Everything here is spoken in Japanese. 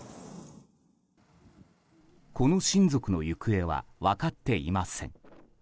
この親族の行方は分かっていません。